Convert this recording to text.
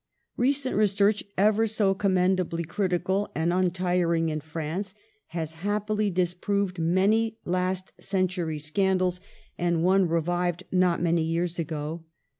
Recent research, ever so commendably critical and untiring in France, has happily disproved many last century scandals, and one revived not many years ago.